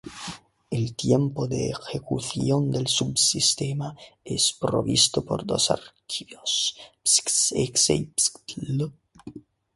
El tiempo de ejecución del subsistema es provisto por dos archivos: psxss.exe y psxdll.dll.